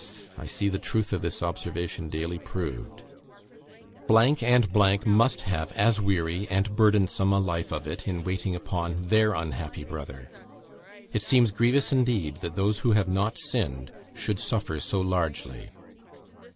I see the truth of this observation daily proved. and must have as weary and burdensome a life of it in waiting upon their unhappy brother. It seems grievous, indeed, that those who have not sinned should suffer so largely."